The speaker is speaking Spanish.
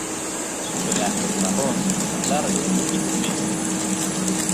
Su pelaje es marrón, largo y tupido.